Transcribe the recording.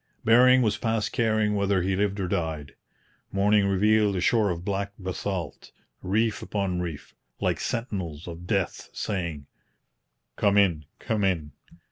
Bering was past caring whether he lived or died. Morning revealed a shore of black basalt, reef upon reef, like sentinels of death saying, 'Come in! come in!